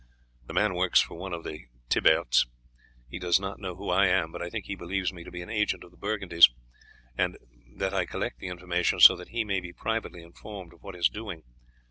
The man works for one of the Thiberts. He does not know who I am, but I think he believes me to be an agent of Burgundy's, and that I collect the information so that he may be privately informed of what is doing.